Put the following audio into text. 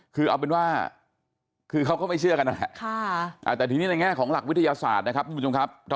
คือเอาเป็นว่าเค้าก็ไม่เชื่อกันแต่ทีนี้ในแง่ของหลักวิทยาศาสตร์